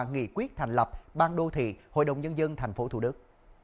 nghị quyết thành lập ban đô thị hội đồng nhân dân thành phố thủ đức